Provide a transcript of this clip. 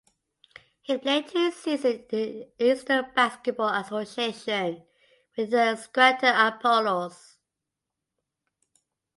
He played two seasons in the Eastern Basketball Association with the Scranton Apollos.